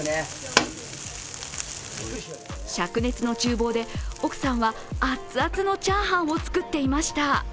しゃく熱のちゅう房で奥さんは熱々のチャーハンを作っていました。